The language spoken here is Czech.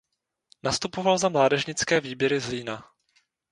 Nastupoval za mládežnické výběry Zlína.